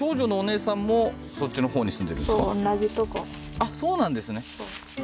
あっそうなんですね